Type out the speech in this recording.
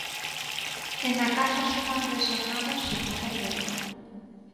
E na casa suma tres xornadas sen facer gol.